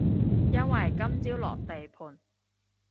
因為今朝落地盤